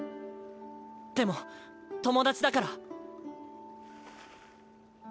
でも友達だから！